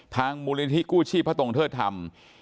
มูลนิธิกู้ชีพพระตงเทิดธรรม